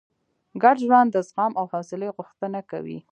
ګډ ژوند د زغم او حوصلې غوښتنه کوي.